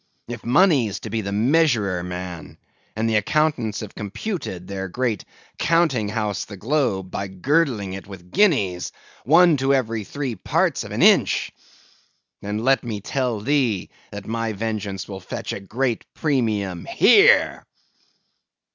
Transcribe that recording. If money's to be the measurer, man, and the accountants have computed their great counting house the globe, by girdling it with guineas, one to every three parts of an inch; then, let me tell thee, that my vengeance will fetch a great premium _here!